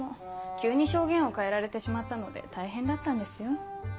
急に証言を変えられてしまったので大変だったんですよ。